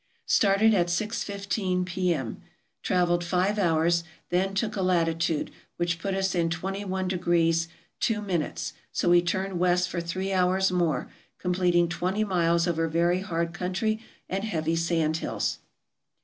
Started at six fifteen P.M. Traveled five hours ; then took a latitude, which put us in 21° 2'; so we turned west for three hours more, completing twenty miles over very hard country and heavy sand hills.